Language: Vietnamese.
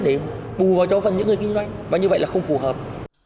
để bù vào cho phần những người kinh doanh và như vậy là không phù hợp